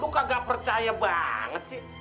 lo kagak percaya banget sih